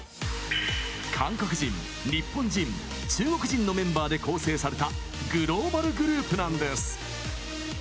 韓国人・日本人・中国人のメンバーで構成されたグローバルグループなんです。